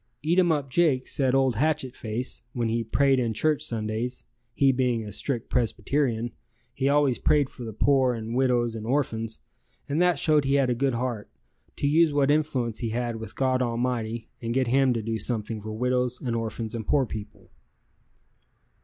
Eatumup Jake said old Hatchet Face, when he prayed in church Sundays (he being a strict Presbyterian), he always prayed for the poor and widows and orphans, and that showed he had a good heart, to use what influence he had with God Almighty and get Him to do something for widows and orphans and poor people.